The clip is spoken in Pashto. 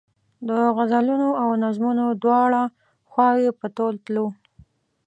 د غزلونو او نظمونو دواړه خواوې په تول تلو.